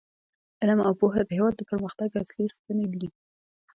علم او پوهه د هیواد د پرمختګ اصلي ستنې دي.